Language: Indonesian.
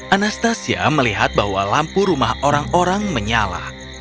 anastasia melihat bahwa lampu rumah orang orang menyala